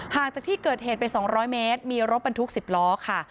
จากที่เกิดเหตุไป๒๐๐เมตรมีรถบรรทุก๑๐ล้อค่ะ